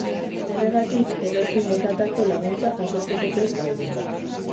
Horregatik, edozein motatako laguntza jasotzeko prest daude.